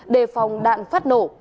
đề phòng đạn phát nổ